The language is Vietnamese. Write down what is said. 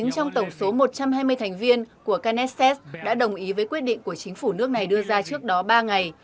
chín trong tổng số một trăm hai mươi thành viên của knesset đã đồng ý với quyết định của chính phủ nước này đưa ra trước đó ba ngày